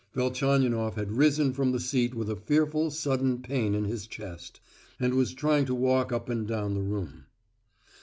Velchaninoff had risen from his seat with a fearful sudden pain in his chest, and was trying to walk up and down the room.